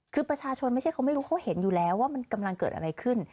คือประชาชนไม่ใช่เขาไม่รู้เขาเห็นอยู่แล้วว่ามันกำลังเกิดอะไรขึ้น